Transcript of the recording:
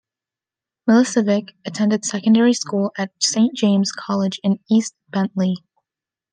Milicevic attended secondary school at Saint James College in East Bentleigh.